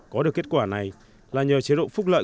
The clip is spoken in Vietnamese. có được kết quả này là nhờ chế độ phúc lợi